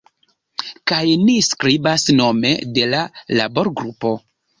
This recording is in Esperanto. Kaj ni skribas nome de la laborgrupo.